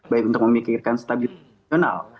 baik untuk memikirkan stabilitas profesional